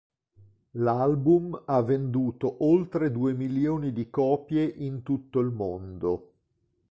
L'album ha venduto oltre due milioni di copie in tutto il mondo.